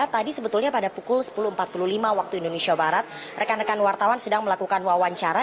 tadi sebetulnya pada pukul sepuluh empat puluh lima waktu indonesia barat rekan rekan wartawan sedang melakukan wawancara